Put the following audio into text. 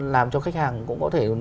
làm cho khách hàng cũng có thể